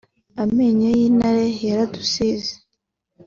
Amenyo y’intare yaradusize